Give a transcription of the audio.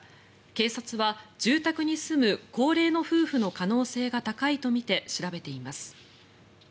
警察は住宅に住む高齢の夫婦の可能性が高いとみて調べています。